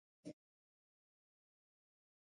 دی غواړي چې خدای ورسره مرسته وکړي.